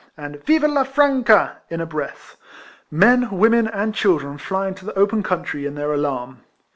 and " Viva la FfancaP^ in a breath; — men, women, and children flying to the open country, in their alarm.